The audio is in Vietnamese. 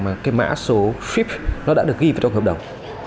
mà cái mã số fife nó đã được ghi vào trong hợp đồng